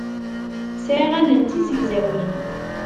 Sɛiɣ allen d tizegzawin.